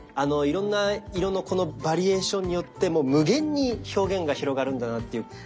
いろんな色のこのバリエーションによっても無限に表現が広がるんだなっていう。